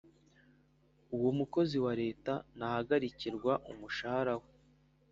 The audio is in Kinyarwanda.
Umukozi wa Leta ntahagarikirwa umushahara we